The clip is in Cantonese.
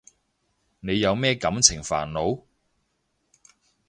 你有咩感情煩惱？